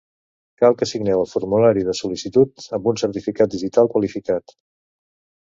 Cal que signeu el formulari de sol·licitud amb un certificat digital qualificat.